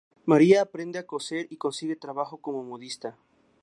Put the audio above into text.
María aprende a coser y consigue trabajo como modista.